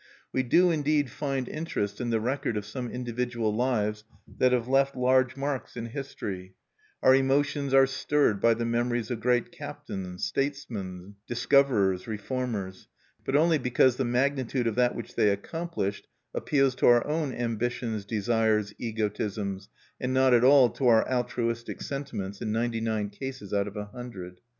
We do indeed find interest in the record of some individual lives that have left large marks in history; our emotions are stirred by the memories of great captains, statesmen, discoverers, reformers, but only because the magnitude of that which they accomplished appeals to our own ambitions, desires, egotisms, and not at all to our altruistic sentiments in ninety nine cases out of a hundred.